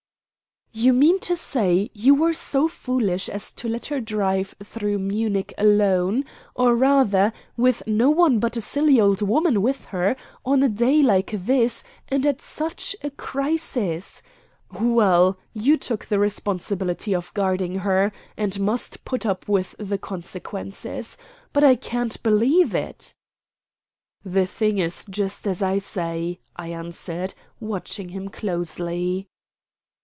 "You mean to say you were so foolish as to let her drive through Munich alone, or, rather, with no one but a silly old woman with her, on a day like this, and at such a crisis. Well, you took the responsibility of guarding her, and must put up with the consequences. But I can't believe it." "The thing is just as I say," I answered, watching him closely.